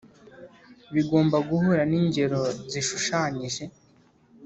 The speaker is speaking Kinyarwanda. bigomba guhura n'ingero zishushanyije